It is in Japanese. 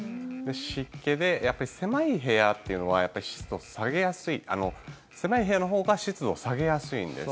湿気でやっぱり狭い部屋というのは湿度を下げやすい狭い部屋のほうが湿度を下げやすいんです。